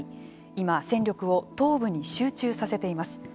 今、戦力を東部に集中させています。